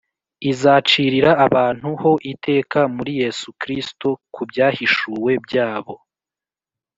izacirira abantu ho iteka muri Yesu Kristo ku byahishwe byabo